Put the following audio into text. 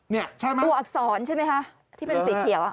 นี่ใช่ไหมตัวอักษรใช่ไหมคะที่เป็นสีเขียว